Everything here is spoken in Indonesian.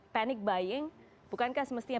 panic buying bukankah semestinya